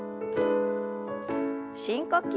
深呼吸。